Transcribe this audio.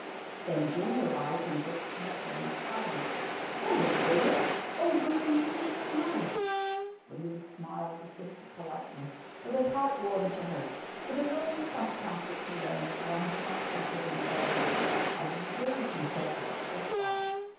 Then Joan arrived and broke the constrained silence. "Hullo, William! Oh, William, you do look nice!" William smiled with distant politeness, but his heart warmed to her. It is always some comfort to learn that one has not suffered in vain. "How d'you do?" he said with a stiff bow.